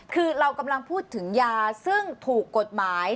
คือเรากำลังพูดถึงยาซึ่งถูกกฎหมาย